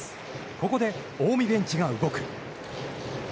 ここで近江ベンチが動く。